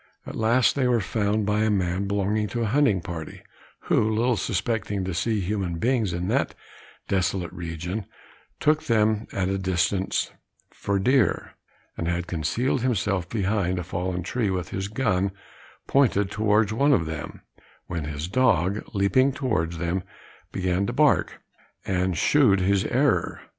At last they were found by a man belonging to a hunting party, who, little suspecting to see human beings in that desolate region, took them at a distance for deer, and had concealed himself behind a fallen tree, with his gun pointed towards one of them, when his dog, leaping towards them, began to bark, and shewed his error.